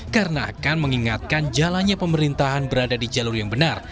karena akan mengingatkan jalannya pemerintahan berada di jalur yang benar